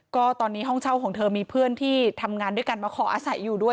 ก็ตอนนี้ห้องเช่าของเธอมีเพื่อนที่ทำงานด้วยกันมาขออาศัยอยู่ด้วย